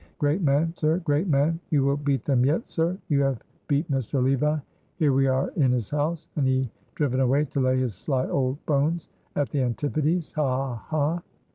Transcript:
"Great man, sir! great man! You will beat them yet, sir. You have beat Mr. Levi. Here we are in his house; and he driven away to lay his sly old bones at the Antipodes. Ha! ha! ha!"